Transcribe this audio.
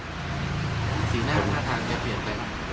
สีหน้าท่าทางแกเปลี่ยนไปไหม